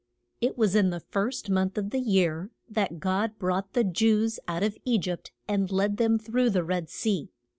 IT was in the first month of the year that God brought the Jews out of E gypt and led them through the Red Sea.